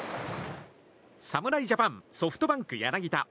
侍ジャパンソフトバンク、柳田。